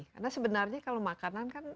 karena sebenarnya kalau makanan kan